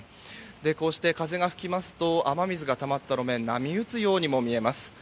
こうして風が吹きますと雨水がたまった路面波打つようにも見えます。